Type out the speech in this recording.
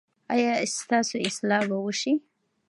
ایا ستاسو اصلاح به وشي؟